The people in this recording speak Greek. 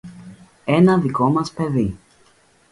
Ένα δικό μας παιδί.